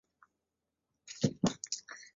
第十二届全国人民代表大会辽宁地区代表。